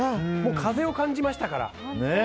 風を感じましたから。